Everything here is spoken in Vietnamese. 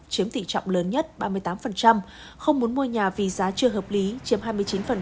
chiếm tỉ trọng lớn nhất ba mươi tám không muốn mua nhà vì giá chưa hợp lý